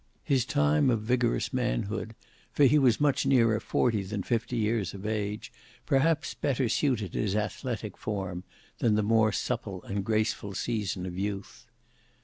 His time of vigorous manhood, for he was much nearer forty than fifty years of age, perhaps better suited his athletic form, than the more supple and graceful season of youth.